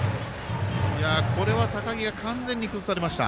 これは高木が完全に崩されました。